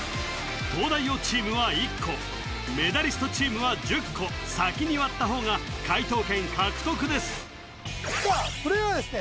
東大王チームは１個メダリストチームは１０個先に割った方が解答権獲得ですではプレイヤーはですね